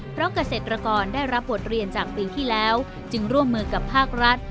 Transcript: เพราะเกษตรกรได้รับบทเรียนจากปีที่แล้วจึงร่วมมือกับภาครัฐ